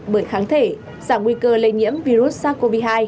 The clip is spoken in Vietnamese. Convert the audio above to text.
bởi kháng thể giảm nguy cơ lây nhiễm virus sars cov hai